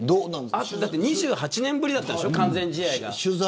あと２８年ぶりだったんでしょう完全試合が。